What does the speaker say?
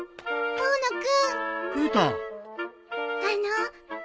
大野君